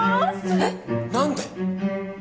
えっ！？何で！？